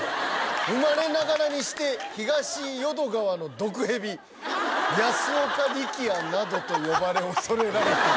「生まれながらにして『東淀川の毒ヘビ』」「『安岡力也』などと呼ばれ恐れられていた」